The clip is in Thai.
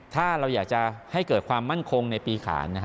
ถ้าเราอยากจะให้เกิดความมั่นคงในปีขาน